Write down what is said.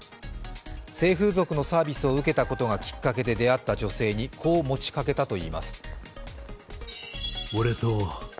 性風俗のサービスを受けたことがきっかけで出会った女性にこう持ちかけたといいます。